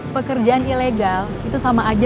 pekerjaan ilegal itu sama aja